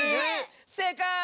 せいかい！